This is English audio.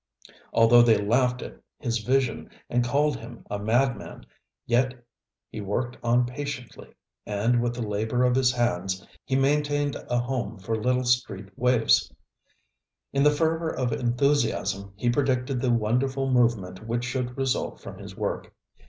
Although they laughed at his vision and called him a madman, yet he worked on patiently, and with the labor of his hands he maintained a home for little street waifs. In the fervor of enthusiasm he predicted the wonderful movement which should result from his work.